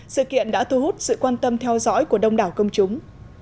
sự kiện đã thu hút sự quan tâm theo dõi của đông đảo công chúng